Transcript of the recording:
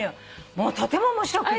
もうとても面白くって。